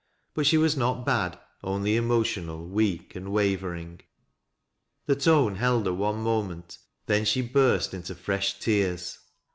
But she was not bad, only emotional, weak and wavering. The tone held her one moment and then she burst into fi'esh tears.